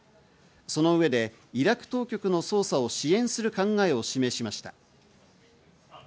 その上でイラク当局の捜査を支援する考えを示しました。